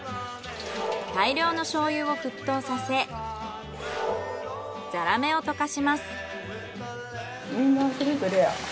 大量の醤油を沸騰させザラメを溶かします。